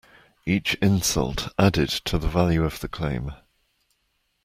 Each insult added to the value of the claim.